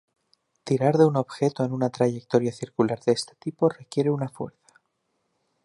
Tirar de un objeto en una trayectoria circular de este tipo requiere una fuerza.